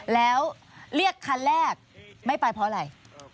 แล้วเรียกคันแรกไม่ไปเพราะอะไร